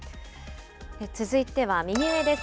続いては右上です。